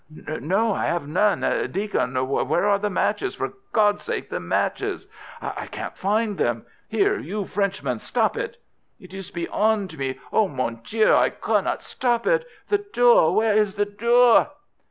"No, I have none. Deacon, where are the matches? For God's sake, the matches!" "I can't find them. Here, you Frenchman, stop it!" "It is beyond me. Oh, mon Dieu, I cannot stop it. The door! Where is the door?"